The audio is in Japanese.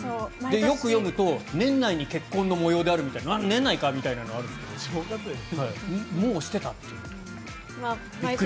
よく読むと年内に結婚の模様であるみたいな年内かみたいなのがあるんですがもうしてたという。びっくり。